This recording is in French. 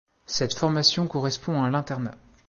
Cette formation correspond à l'internat.